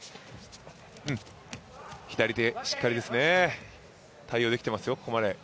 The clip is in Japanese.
左手しっかりですね、対応できていますよ、ここまで。